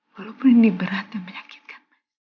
walaupun ini berat dan meyakinkan